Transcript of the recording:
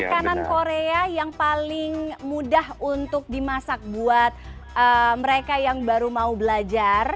makanan korea yang paling mudah untuk dimasak buat mereka yang baru mau belajar